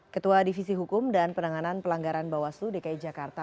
ketua divisi hukum dan penanganan pelanggaran bawaslu dki jakarta